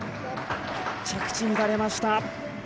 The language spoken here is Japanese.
着地乱れました。